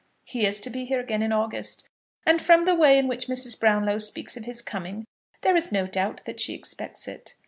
He is to be here again in August, and from the way in which Mrs. Brownlow speaks of his coming, there is no doubt that she expects it.